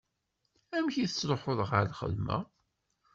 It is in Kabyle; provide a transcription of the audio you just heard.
Amek i tettruḥuḍ ɣer lxedma?